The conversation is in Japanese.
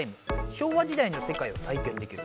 昭和時代の世界を体験できる」。